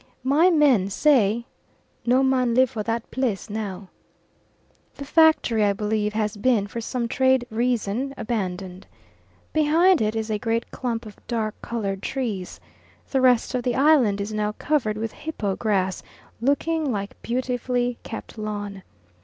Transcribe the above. My men say, "No man live for that place now." The factory, I believe, has been, for some trade reason, abandoned. Behind it is a great clump of dark coloured trees. The rest of the island is now covered with hippo grass looking like a beautifully kept lawn.